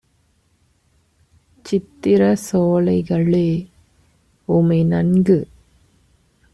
சித்திரச் சோலைகளே! உமை நன்கு